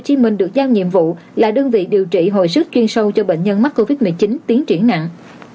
bệnh viện bệnh viện tp hcm được giao nhiệm vụ là đơn vị điều trị hồi sức chuyên sâu cho bệnh nhân mắc covid một mươi chín tiến triển nặng